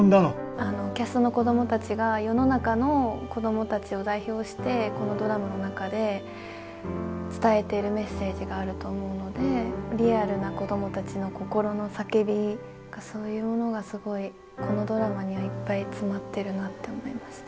あのキャストの子どもたちが世の中の子どもたちを代表してこのドラマの中で伝えてるメッセージがあると思うのでリアルな子どもたちの心の叫びがそういうものがすごいこのドラマにはいっぱい詰まってるなって思いました。